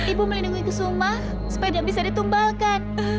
ibu melindungi kusuma supaya tak bisa ditumbalkan